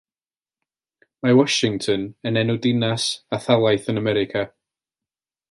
Mae Washington yn enw dinas a thalaith yn America.